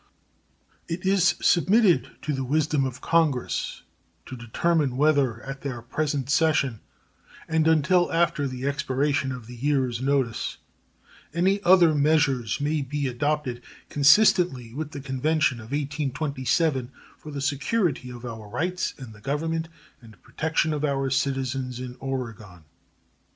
It is submitted to the wisdom of Congress to determine whether at their present session, and until after the expiration of the year's notice, any other measures may be adopted consistently with the convention of 1827 for the security of our rights and the government and protection of our citizens in Oregon.